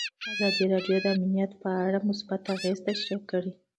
ازادي راډیو د امنیت په اړه مثبت اغېزې تشریح کړي.